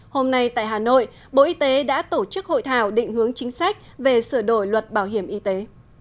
hôm nay tại hà nội bộ y tế đã tổ chức hội thảo định hướng chính sách về sửa đổi luật bảo hiểm y tế